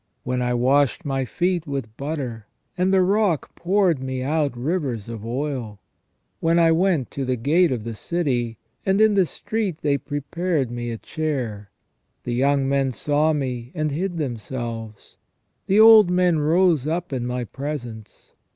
When I washed my feet with butter, and the rock poured me out rivers of oil. When I went to the gate of the city, and in the street they prepared me a chair. The young men saw me, and hid themselves : the old men rose up in my presence.